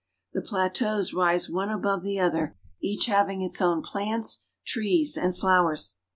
The plateaus rise one above ^e other, each having its own plants, trees, and flowers.